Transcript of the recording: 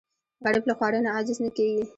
غریب له خوارۍ نه عاجز نه کېږي